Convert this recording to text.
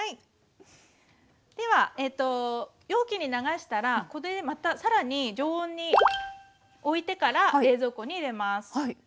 では容器に流したらこれでまた更に常温においてから冷蔵庫に入れます。